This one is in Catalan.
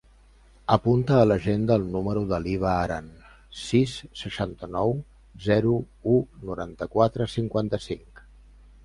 Apunta a l'agenda el número de la Hiba Aran: sis, seixanta-nou, zero, u, noranta-quatre, cinquanta-cinc.